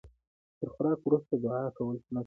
تر خوراک وروسته دعا کول سنت ده